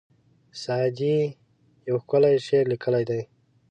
سعدي یو ښکلی شعر لیکلی دی.